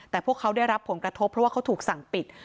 แต่พวกเขาได้รับผลกระทบเพราะว่าเขาถูกสั่งปิด